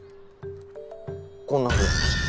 こんなふうに。